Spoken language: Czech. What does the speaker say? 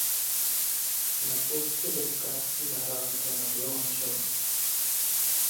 Na spoustě deskách si zahrál také na violoncello.